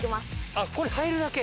あっこれ入るだけ？